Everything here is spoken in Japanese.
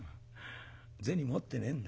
銭持ってねえんだ。